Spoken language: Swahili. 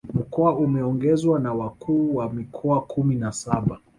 Mkoa umeongozwa na Wakuu wa Mikoa kumi na saba